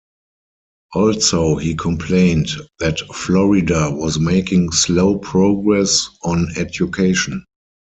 Also, he complained that Florida was making slow progress on education.